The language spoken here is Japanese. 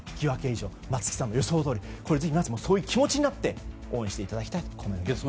以上松木さんの予想どおりこれ、ぜひ皆さんもそういう気持ちになって応援していただきたいと思います。